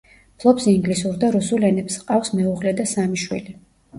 ფლობს ინგლისურ და რუსულ ენებს, ჰყავს მეუღლე და სამი შვილი.